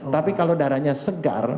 tapi kalau darahnya segar